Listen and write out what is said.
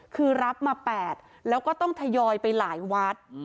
คือรับมา๘แล้วก็ต้องทยอยไปหลายวัด